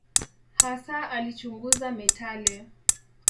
Hasa alichunguza metali.